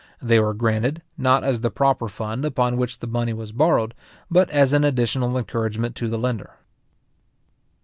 They were granted, not as the proper fund upon which the money was borrowed, but as an additional encouragement to the lender.